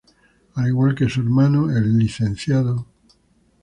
Al igual que su hermano, el lic.